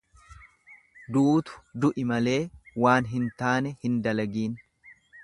Duutu du'i malee waan hin taane hin dalagiin.